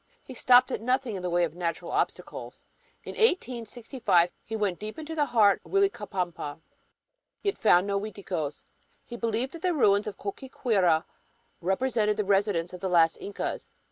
He stopped at nothing in the way of natural obstacles. In 1865 he went deep into the heart of Uilcapampa; yet found no Uiticos. He believed that the ruins of Choqquequirau represented the residence of the last Incas.